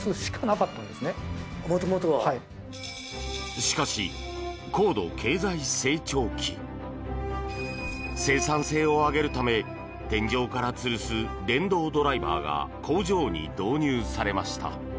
しかし、高度経済成長期生産性を上げるため天井からつるす電動ドライバーが工場に導入されました。